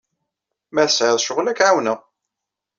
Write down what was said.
Ma tesɛiḍ ccɣel, ad k-ɛawneɣ.